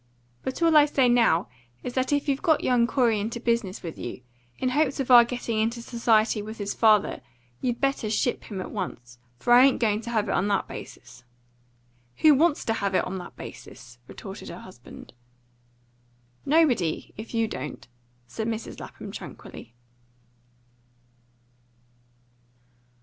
But all I say now is that if you've got young Corey into business with you, in hopes of our getting into society with his father, you better ship him at once. For I ain't going to have it on that basis." "Who wants to have it on that basis?" retorted her husband. "Nobody, if you don't," said Mrs. Lapham tranquilly.